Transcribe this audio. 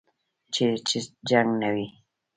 چیرې چې جنګ نه وي.